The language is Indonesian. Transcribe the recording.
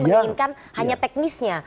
menginginkan hanya teknisnya